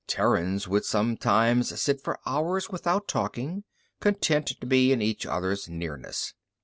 Terrans would sometimes sit for hours without talking, content to be in each other's nearness.